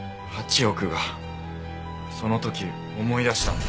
その時思い出したんだ。